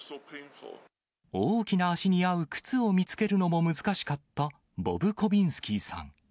大きな足に合う靴を見つけるのも難しかったボブコビンスキーさん。